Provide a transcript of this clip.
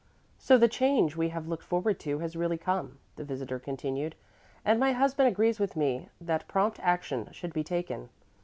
"So the change we have looked forward to has really come," the visitor continued, "and my husband agrees with me that prompt action should be taken.